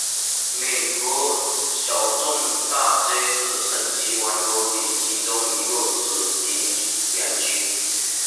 美国小镇大街是神奇王国里其中一个主题园区。